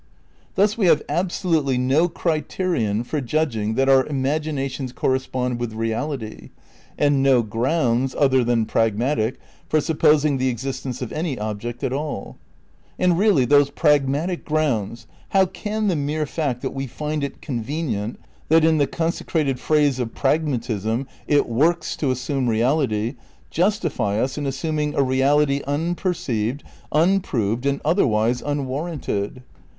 Thus we have absolutely no criterion " The Approach to Critical Realism, pp. 27 28. Ill THE CRITICAL PREPARATIONS 121 for judging that our imaginations correspond with re ality, and no grounds, other than pragmatic, for sup posing the existence of any object at all. And, really, those pragmatic grounds — How ccm the mere fact that we find it convenient, that, in the consecrated phrase of pragmatism, it "works" to assume reality, justify us in assimiing a reality unperceived, unproved and otherwise unwarranted?